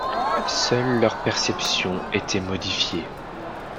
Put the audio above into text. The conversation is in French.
Seule leur perception était modifiée.